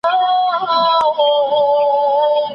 نو پیغام تر ښکلا مهم دی.